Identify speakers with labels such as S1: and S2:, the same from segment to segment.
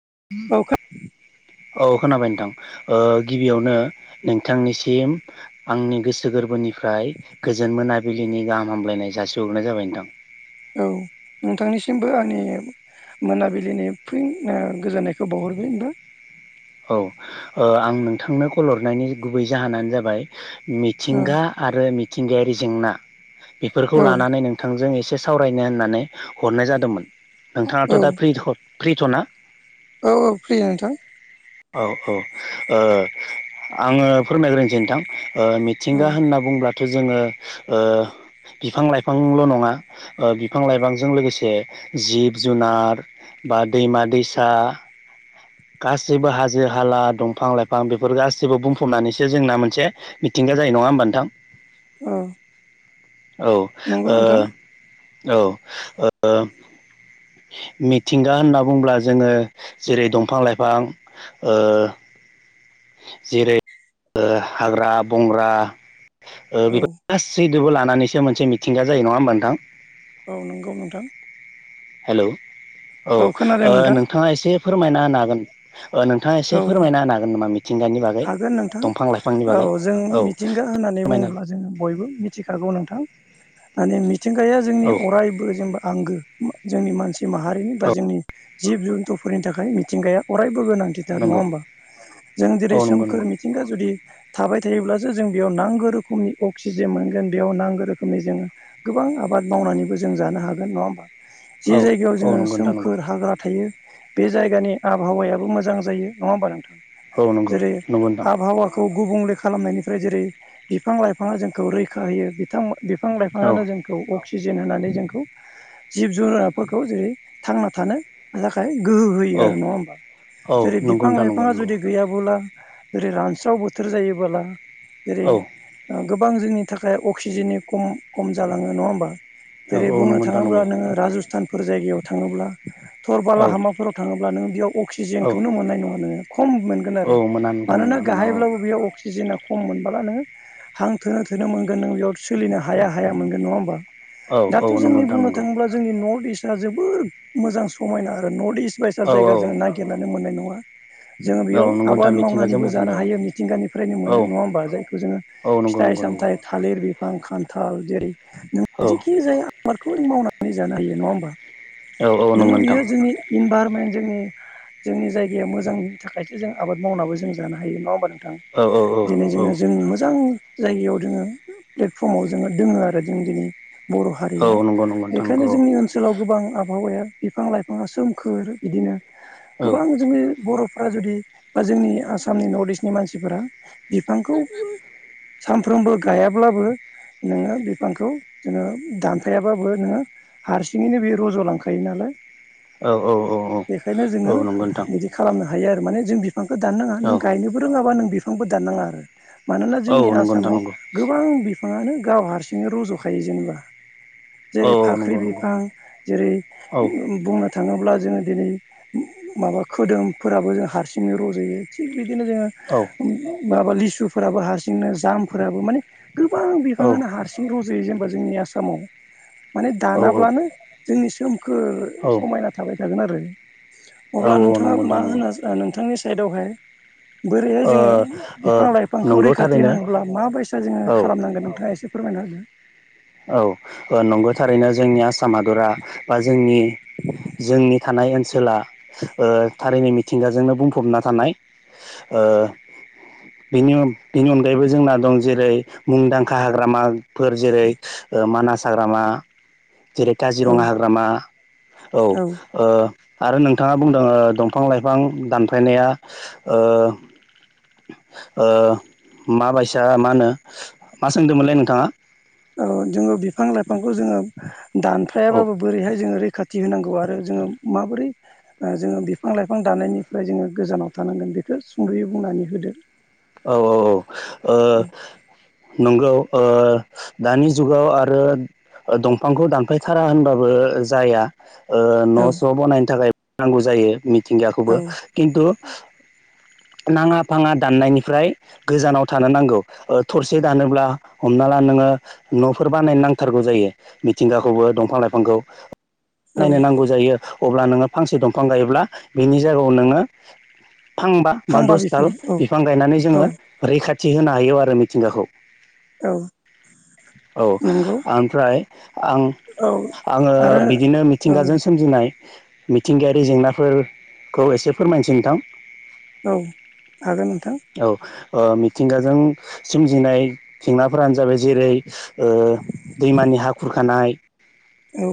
S1: [unintelligible]
S2: औ खोनाबाय नोंथां गिबियावनो नोंथांनिसिम आंनि गोसो गोरबोनि निफ्राय गोजोन मोनाबिलिनि गाहाम हामलायनाय जासिहरनाय जाबाय नोंथां।
S1: औ। नोंथांनिसिमबो आंनि मोनाबिलिनि फिन ओ गोजोननायखौ बावहरबाय नोंथां
S2: औ ओ आं नोंथांनो कल हरनायनि गुबै जाहोनानो जाबाय
S1: औ
S2: मिथिंगा आरो मिथिंगायारि जेंना बेफोरखौ
S1: औ
S2: लानानै नोंथांजों एसे एसे सावरायनो होननानै हरनाय जादोंमोन
S1: औ
S2: नोंथाङाथ' दा फ्रि फ्रिथ'ना
S1: औ औ फ्रि नोंथां।
S2: औ औ ओ आङो फोरमायग्रोनसै नोंथां। ओ
S1: औ
S2: मिथिंगा होनना बुंब्लाथ' जोङो ओ बिफां लाइफांल' नङा ओ बिफां लाइफांजों लोगोसे जिब जुनार बा दैमा दैसा गासैबो हाजो हाला दंफां लाइफां बेफोर गासैबो बुंफबनानैसो जोंना मोनसे मिथिंगा जायो नङा होमबा नोंथां?
S1: औ
S2: औ
S1: नंगौ नोंथां
S2: ओ औ ओ मिथिंगा होनना बुंङोब्ला जोङो जेरै दं फां लाइफां ओ जेरै हाग्रा बंग्रा ओ
S1: औ
S2: बेफोर गासै खौबो लानानैसो मोनसे मिथिंगा जायो नङा होमबा नोंथां?
S1: औ नंगौ नोंथां।
S2: हेल' औ
S1: औ खोनादों
S2: ओ
S1: नोंथां
S2: नोंथाङा एसे फोरमायना होनो हागोन। ओ नोंथाङा एसे
S1: औ
S2: फोरमायना होनो हागोन नामा मिथिंगानि बागै
S1: हागोन नोंथां
S2: दंफां लाइ
S1: औ जों मिथिंगा होननानै बुङोब्ला जोङो बयबो मिथिखागौ नों थां माने मिथिंगाया जोंनि
S2: औ
S1: अरायबो जेनेबा आंगो जोंनि मानसि माहारिनि बा
S2: औ
S1: जोंनि जिब जुन्थुफोरनि थाखाय मिथिंगाया अरायबो गोनां। नङा
S2: नंगौ
S1: होमबा जों जेरै
S2: औ नंगौ
S1: सोमखोर
S2: नंगौ
S1: मिथिंगा जुदि थाबाय थायोब्लासो जों बेयाव नांगौ रोखोमनि अक्सिजेन मोनगोन बेयाव नांगौ रोखोमनि जोङो गोबां आबाद आबाद मावनानैबो जों जानो हागोन नङा होमबा? जि
S2: औ
S1: जायगायाव
S2: औ
S1: जोङो
S2: नंगौ नोंथां नंगौ
S1: सोमखोर हाग्रा थायो बे जायगानि आबहावायाबो मोजां जायो नङा होमबा नोंथां
S2: औ नंगौ
S1: जेरै
S2: नंगौ नोंथां
S1: आबहावाखौ गुबुंले खालामनायनिफ्राय जेरै बिफां लाइफाङा जोंखौ रैखा होयो बिथांमो बिफां
S2: औ
S1: लाइफाङानो जोंखौ अक्सि सिजोन होननानै जोंखौ जिब जुनारफोरखौ जेरै थांना थानो थाखाय गोहो होयो
S2: औ
S1: आरो नङा होमबा
S2: औ
S1: जेरै
S2: नंगौ
S1: बिफां
S2: नोंथां नंगौ
S1: लाइफाङा
S2: नंगौ
S1: जुदि गैयाबोला जेरै रानस्राव बोथोर जायोबोला जेरै
S2: औ
S1: ओ गोब बां जोंनि थाखाय अक्सिजेननि खम खम जालाङो नङा होमबा?
S2: औ
S1: जेरै
S2: औ
S1: बुंनो
S2: नंगौ नोंथां
S1: थाङोब्ला
S2: नंगौ
S1: नोङो राजस्थानफोर जायगायाव थाङोब्ला थरबाला
S2: औ
S1: हामाफोराव थाङोब्ला नों बेयाव
S2: औ
S1: अक्सिजेनखौनो मोननाय नङा नोङो। खम मोनगोन
S2: औ
S1: आरो
S2: मोना नोंथां
S1: मानोना
S2: मोना मोना औ
S1: गाहायब्लाबो बेयाव अक्सिजेना खम मोनबोला नोङो हां थोनो थोनो मोनगोन नों बेयाव सोलिनो हाया हाया मोनगोन नङा होमबा?
S2: औ औ
S1: दाथ'
S2: नंगौ
S1: जोंनि
S2: नोंथां
S1: बुंनो
S2: नंगौ
S1: थाङोब्ला जोंनि नर्थ इस्टआ जोबोद मोजां समायना आरो नर्थ इस्ट बायसा
S2: औ
S1: जायगा
S2: औ
S1: जोङो नागिरनानै मोननाय नङा। जोङो
S2: औ
S1: बेयाव
S2: नंगौ नोंथां
S1: आबाद
S2: मिथिंगाजों
S1: मावनानैबो जानो
S2: बुंफबनाय औ
S1: हायो मिथिंगानिफ्रायनो
S2: औ
S1: मोनो नङा होमबा जायखौ जोङो
S2: औ नंगौ
S1: फिथाइ थाइ
S2: नंगौ नंगौ
S1: सामथायाइ थालिर बिफां खान थाल जेरै नों
S2: औ
S1: जिखि जाया आबादखौ मावनानै जानो हायो नङा होमबा?
S2: औ औ नंगौ
S1: नोङो
S2: नोंथां
S1: बेयो जोंनि इनभारमेन्ट जोंनि जोंनि जायगाया मोजांनि थाखायसो जों आबाद मावनाबो जों जानो हायो नङा होनोमबा नों थां
S2: औ औ औ
S1: दिनै जोङो
S2: औ
S1: जों मोजां जायगायाव जोङो प्लेटफर्माव जोङो दोङो आरो जों दिनै बर'
S2: औ
S1: हारिया
S2: नंगौ नंगौ नोंथां
S1: बेखायनो
S2: नंगौ
S1: जोंनि ओनसोलाव गोबां आबहावाया बिफां लाइफाङा सोमखोर बिदिनो
S2: औ
S1: गोबां जोंनि बर' फोरा जुदि बा जोंनि आसामनि नर्थ इस्टनि मानसिफोरा बिफांखौ सानफ्रोमबो गायाब्लाबो नोङो बिफांखौ जोङो दानफायाबाबो नोङो हारसिङैनो बे रज'लांखायो नालाय
S2: औ औ
S1: बेखायनो
S2: औ
S1: जोङो
S2: औ औ नंगौ नोंथां
S1: बिदि खालामनो हायो आरो माने जों बिफांखौ दाननाङा
S2: औ
S1: नों गायनोबो रोङाबा नों बिफांबो दाननाङा आरो। मानोना
S2: औ
S1: जोंनि
S2: नंगौ नोंथां
S1: आसामाव
S2: नंगौ
S1: गोबां बिफाङानो गाव हारसिं रज'खायो जेनेबा।
S2: औ
S1: जेरै
S2: औ
S1: फाख्रि
S2: नंगौ नंगौ
S1: बिफां जेरै
S2: औ
S1: बुंनो थाङोब्ला जोङो दिनै माबा खोदोमफोराबो जों हारसिङै रज'यो थिग बिदिनो जोङो
S2: औ
S1: माबा लि गसुफोराबो हारसिंनो जामफोराबो माने गोबां
S2: औ
S1: बिफाङानो हारसिं रज'यो जों जोंनि आसामाव मान
S2: औ
S1: दानाब्लानो जोंनि खोर समायना थाबाय थागोन आरो। अब्ला
S2: औ
S1: नोंथाङा
S2: नंगौ नोंथां
S1: मा
S2: नंगौ
S1: होनो नोंथांनि साइदआवहाय बोरैहाय जोङो
S2: ओ ओ
S1: बिफां लाइफांखौ
S2: नंगौ
S1: रैखाथि
S2: थारैनो
S1: होनांगौब्ला माबायसा जोङो
S2: औ
S1: खालामनांगोन नोंथाङा एसे फोरमानाहोदो।
S2: औ नंगौ थारैनो जोंनि आसाम हादरा बा जोंनि जोंनि था थानाय ओनसोला ओ थारैनो मिथिंगाजोंनो बुंफबना थानाय ओ। बि बिनि अनगायैबो जोंना दं जेरै मुंदांखा हाग्रामाफोर जेरै मानास हाग्रामा जेरै
S1: औ
S2: काजिरङा हाग्रामा औ ओ। आरो नोंथाङा बुंदों दंफां लाइफां दानफायनाया ओ। ओ माबायसा मा होनो मा सोंदोंमोनलै नोंथाङा।
S1: औ जोङो बिफां लाइफांखौ जोङो
S2: औ
S1: दानफायाबाबो बोरैहाय जोङो रैखाथि फि होनोनांगौ आरो जोङो माबोरै जोङो बिफां लाइफां दानायनिफ्राय जोङो गोजानाव थानांगोन बेखौ सुंद'यै बुंनानै होदो
S2: औ औ औ नंगौ। ओ दानि जुगाव आरो। दंफांखौ दानफायथारा होनबाबो जाया। ओ न'
S1: औ
S2: स' बानायनो थाखाय नांगौ जायो मिथिंगाखौबो
S1: औ
S2: खिन्थु नाङा फाङा दान्नायनि फ्राय गोजानाव थानो नांगौ थरसे दानोब्ला हमना ला नोङो न'फोर बानाय नांथारगौ जायो मिथिंगाखौबो दंफां लाइफांखौ
S1: औ
S2: नायनो नांगौ जायो। अब्ला नोङो फांसे दंफां गायोब्ला बिनि जायगायाव नोङो फांबा बा दस दाल
S1: बिफां औ
S2: बिफां गायनानै
S1: औ
S2: जोङो रैखाथि होनो हायो आरो मिथिंगाखौ
S1: औ।
S2: औ
S1: नंगौ
S2: ओमफ्राय आं
S1: औ
S2: आङो
S1: आरो
S2: बिदिनो
S1: औ
S2: मिथिंगाजों सोमजिनाय मिथिंगायारि जेंनाफोरखौ एसे फोरमायसै नोंथां।
S1: औ हागोन नोंथां।
S2: औ ओ मिथिंगाजों सोमजिनाय जेंनाफोरानो जाबाय जेरै ओ। दैमानि हा खुरखानाय।
S1: औ।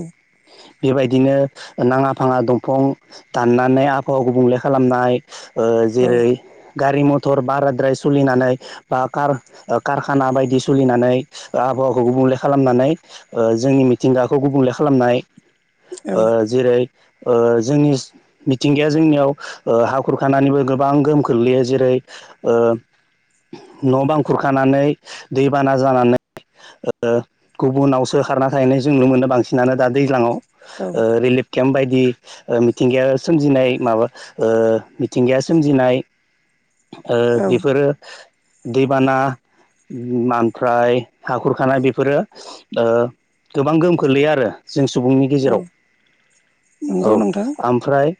S2: बेबायदिनो नाङा फाङा दंफां दाननानै आबहावा गुबुंले खालामनाय ओ
S1: औ
S2: जेरै गारि मथर बाराद्राय सोलिनानै बा कार- कारखाना बायदि सोलिनानै आबहावाखौ गुबुंले खालामनानै ओ जोंनि मिथिंगाखौ गुबुंले खालाम। खालामनाय
S1: औ
S2: ओ जेरै ओ जोंनि मिथिंगाया जोंनियाव ओ हा खुरखानानैबो गोबां गोहोम खोख्लैयो जेरै ओ न' बां खुरखानानै दैबाना जानानै ओ गुबुनावसो खारना थाहैनाय जों नुनो मोनो बांसिन बिनानो दा दैज्लाङाव
S1: औ
S2: ओ रिलिफ केम्प बायदि मिथिंगाया सोमजिनाय माबा मिथिंगाया सोमजिनाय
S1: [inaudible]
S2: ओ
S1: औ
S2: बेफोरो दैबाना मफ्राय हाखरखानाय बेफोरो गोबां गोहोम ख्लैया आरो जों सुबुंनि
S1: औ
S2: गेजेराव
S1: नंगौ
S2: औ
S1: नोंथां
S2: ओमफ्राय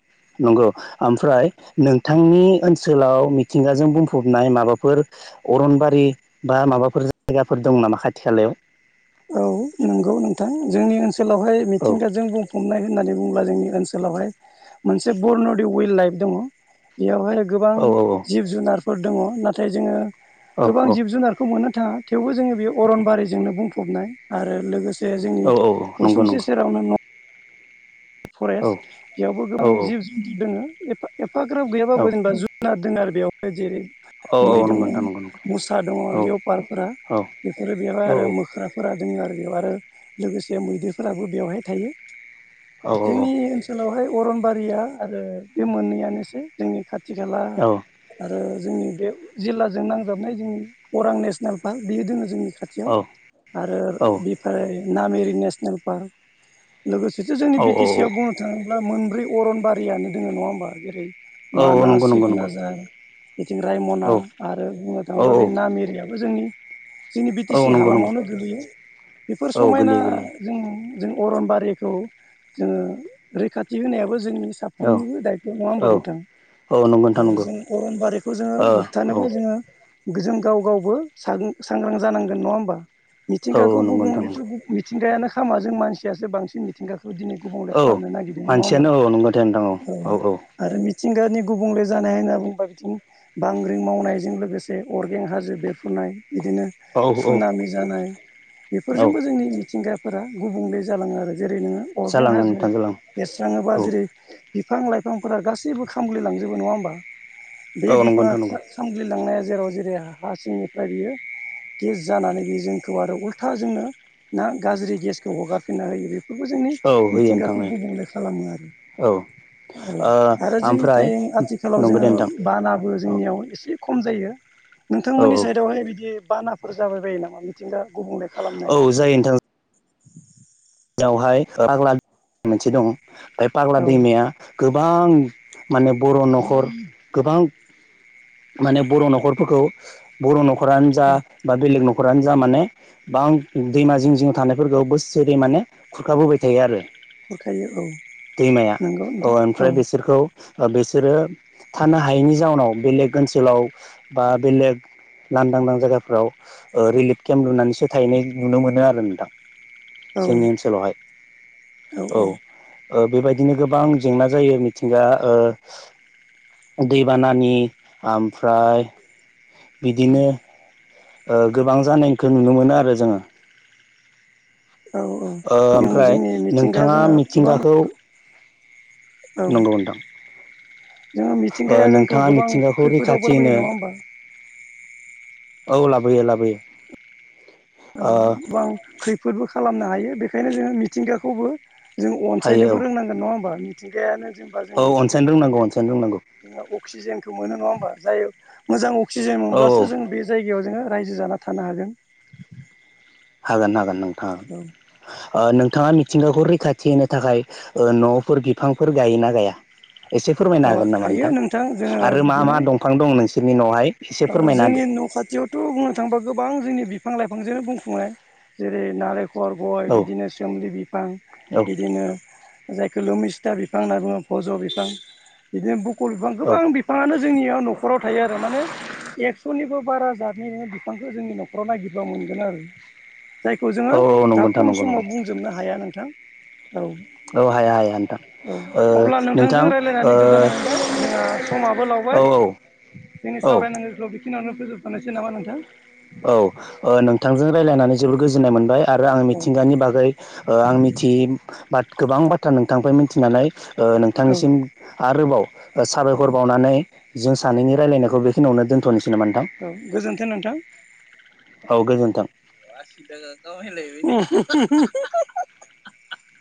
S2: नंगौ ओमफ्राय नोंथांनि ओनसोलाव मिथिंगाजों बुंफबनाय माबाफोर अरनबारि बा माबाफोर जायगाफोर दं नामा खाथि खालायाव?
S1: औ नंगौ नोंथां। जोंनि ओनसोलावहाय
S2: औ
S1: मिथिंगाजों बुंफबनाय होननानै बुंब्ला जोंनि ओनसोलावहाय मोनसे बरन'दि विल्ड लाइफ दङ। बेयावहाय गोबां
S2: औ
S1: जिब जुनारफोर दङ। नाथाय जोङो
S2: औ
S1: गोबां
S2: औ
S1: जिब जुनारखौ मोननो थाङा। थेवबो जोनि बेयो अरनबारिजोंनो बुंफबनाय आरो लोगोसे से जोंनि
S2: औ औ नंगौ
S1: उसुंसे
S2: नंगौ
S1: सेरावनो न
S2: औ
S1: फरेस्ट एयावबो गोबां
S2: औ
S1: जिब जुनतु दोङो। एपा एप एपाग्राब
S2: औ
S1: गैयाबाबो जेनबा जुनार दोङो आरो बेयावहाय जेरै
S2: औ औ
S1: मै
S2: नंगौ
S1: दङ,
S2: नोंथां नंगौ
S1: मुसा दङ
S2: नंगौ औ
S1: लेवपारफोरा।
S2: औ
S1: बेफोरो
S2: औ
S1: बेवहाय आरो मोख्राफोरा दोङो आरो बेयाव आरो लोगोसे मैदेरफोराबो बेवहाय थायो। जोंनि ओनसोलावहाय अरनबारिया आरो बे मोननैयानोसै। जोंनि खा थि खाला
S2: औ औ
S1: आरो जोंनि बे जिल्लाजों नांजाबनाय जोंनि अरां नेसनेल पार्क बेयो दोङो जोंनि खाथियाव आरो बेफ्राय नामेरि नेसनेल पार्क लोगोसे से जोंनि
S2: औ
S1: बि टि सि आव
S2: औ
S1: बुंनो थाङोब्ला मोनब्रै अरनबारियानो दोङो नङा होमबा जेरै
S2: औ
S1: मानास,
S2: नंगौ नंगौ नंगौ
S1: सिकनाझार बेथिं रायमना
S2: औ
S1: आरो बुंनो
S2: औ
S1: थाङोबा बे नामेरियाबो जोंनि जोंनि बि टि सि
S2: औ नंगौ नंगौ
S1: हालामावनो गोलैयो। बेफोर
S2: औ
S1: समायना
S2: गोरलैयो गोरलैयो
S1: जों जों अरनबारिखौ जोङो रैखाथि होनायाबो जोंनि
S2: औ
S1: साफ्रोमनिबो दायथ', नङा
S2: औ
S1: होमबा नोंथां?
S2: नंगौ
S1: औ
S2: नोंथां नंगौ
S1: जों अरनबारिखौ जोङो
S2: औ औ
S1: होबथानोबा जोङो जों गाव गावबो सां-सांग्रां जानांगोन, नङा होमबा?
S2: औ
S1: मिथिंगाखौ
S2: नंगौ नोंथौ
S1: गुबुंलेथ'
S2: नंगौ
S1: मिथिंगायानो खामा जों मानसियासो बांसिन मिथिंगा खौ दिनै गुबुंले
S2: औ
S1: खालामनो नागिरदों नङा होमबा
S2: मानसियानो औ नंगौ दे नोंथां
S1: औ आरो मि थिंगानि गुबुंले जानाय होनना बुंबा बिथिं बांग्रिं मावनायजों लोगोसे अर्गें हाजो बेरफ्रुनाय। बिदिनो
S2: औ औ
S1: सुनामि जानाय
S2: औ
S1: बेफोरजोंबो जोंनि मिथिंगा फोरा गुबुंले जालाङो आरो। जेरै नोङो अर्गें
S2: जालाङो
S1: हाजो
S2: नोंथां जालाङो
S1: एरस्राङोबा जेरै
S2: औ
S1: बिफां लाइफांफोरा गासैबो खामग्लिलांजोबो नङा होमबा? बे
S2: औ नंगौ
S1: बिफाङा
S2: नोंथां नंगौ
S1: खा-खामग्लिलांनाया जेराव जेरै हा सिंनिफ्राय बियो गेस जानानै बे जोंखौ आरो उल्था जोंनो ना गाज्रि गेसखौ हगारफिनना होयो। बे बेफोरबो जोंनि
S2: औ होयो नोंथां
S1: मिथिंगाखौ
S2: औ
S1: गुबुंले खालामो आरो।
S2: औ
S1: औ आरो जोंनि
S2: ओमफ्राय
S1: टाइम आथिखालाव
S2: नंगौ दे
S1: जोङो
S2: नोंथां
S1: बानाबो
S2: औ
S1: जोंनियाव एसे खम जायो।
S2: औ
S1: नोंथांमोननि साइदावहाय बिदि बानाफोर जाबाय बायो नामा मिथिंगा गुबुंले खालामनाय।
S2: औ बेवहाय पाग्ला मोनसे दं। बे पाग्ला
S1: औ
S2: दैमाया गोब बां माने बर' न'खर गोबां माने बर' न'खरफोरखौ बर' न'खरानो जा बा बेलेग न' खरानो जा माने बां दैमा जिं जिं थानायफोरखौ बोसोरे माने खुरखाबोबाय थायो आरो।
S1: हरखायो औ
S2: दैमाया
S1: नंगौ
S2: अह
S1: नोंथां औ
S2: ओमफ्राय बिसोरखौ? ओ बिसोरो थानो हायैनि जाउनाव बेलेग ओनसोलाव बा बेलेग लांदांदां जायगाफोराव ओ रिलिप केम्प लुनानैसो थाहैनाय नुनो मोनो आरो नोंथां।
S1: औ।
S2: सोलावहाय औ। ओ बेबायदिनो गोबां जेंना जायो मिथिंगा ओ दैबानानि आमफ्राय बिदिनो ओ गोबां जानायखो नुनो मोनो आरो जोङो।
S1: औ औ
S2: ओ
S1: जों
S2: ओमफ्राय
S1: जोंनि मिथिंगाया
S2: नोंथाङा
S1: जोङो गोबां
S2: मिथिंगाखौ
S1: औ
S2: नंगौ नोंथां।
S1: जोङो
S2: ओ
S1: मिथिंगाया जोंखौ
S2: नोंथाङा
S1: गोबां
S2: मिथिंगाखौ
S1: खैफोदावबो
S2: रैखाथि
S1: लाबोयो
S2: होनो
S1: नङा होमबा
S2: [inaudible] औ लाबोयो लाबोयो।
S1: औ
S2: ओ
S1: गोबां खैफोदबो खालामनो हायो बेखायनो जोङो मिथिंगाखौबो जों
S2: हायो औ
S1: अनसायनोबो रोंनांगोन नङा होमबा मिथिंगायानो जेनबा जों
S2: औ अनसायनो रोंनांगौ
S1: मिथिंगानिफ्रायनो
S2: अनसायनो रोंनांगौ
S1: जों अक्सिजेनखौ मोनो नङा होनबा जाय मोजां अक्सिजेन
S2: औ औ
S1: मोनब्लासो जों बे जायगायाव जोङो रायजो जाना थानो हागोन।
S2: होगोन हागोन नोंथां।
S1: औ
S2: ओ नोंथाङा मिथिंगाखौ रैखा थि होनो थाखाय ओ न'फोर बिफांफोर गायोना गाया? एसे फोरमायनो
S1: माबा
S2: हागोन नामा
S1: गायो
S2: नोंथां
S1: जोङो
S2: आरो मा मा
S1: बिदिनो
S2: दमफां दं नोंसोरनि न'हाय?
S1: ओ जोंनि न' खाथियावथ' बुंनो थांबा गोबां जोंनि बिफ फां लाइफांजों बुंफुनाय जेरै नारें खर, गय
S2: होदो औ
S1: बिदिनो सोमलि बिफां
S2: औ
S1: बिदिनो जायखोल' मिस था, बिफां होनना बुङो भज' बिफां बिदिनो बुकल बिफां
S2: औ
S1: गोबां बिफाङानो जोंनियाव न'खराव थायो आरो माने एक्स'निबो बारा जातनि नोङो बिफांखो जोंनि न'खराव नागिरब्ला मोनगोन आरो। जायखौ
S2: औ
S1: जोङो
S2: नंगौ
S1: दा
S2: नोंथां
S1: खम
S2: नंगौ नंगौ
S1: समाव बुंजोबनो हाया नोंथां। औ।
S2: औ हाया हाया नोंथां।
S1: औ
S2: ओ
S1: अब्ला
S2: नोंथां
S1: नोंथांजों रायज्लायनानै गोजोननाय मोनबाय जोंना समाबो लावबाय।
S2: ओ औ
S1: जोंनि
S2: औ
S1: सावरायनांगौखौ बेखिनियावनो फोजोबथ'नोसै नामा नोंथां?
S2: औ ओ नोंथांजों रायलायनानै जोबोर गोजोननाय मोनबाय आरो आं
S1: औ
S2: मिथिंगानि बागै ओ आं मिथियै बा गोबां बाथ्रा नोंथांनिफ्राइ मिथिनानै
S1: औ
S2: नोंथांनिसिम आरोबाव ओ साबायखर बावनानै जों सानैनि रायलायनायखौ बेखिनियावनो दोनथ'नोसै। नामा नोंथां
S1: औ गोजोन्थों नोंथां।
S2: औ गोजोन्थों।
S1: आसि दोङो गावलायलायबाय थायो। [unintelligible]